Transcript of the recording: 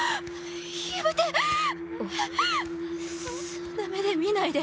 そんな目で見ないで。